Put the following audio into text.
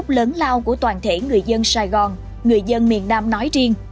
một niềm hạnh phúc lớn lao của toàn thể người dân sài gòn người dân miền nam nói riêng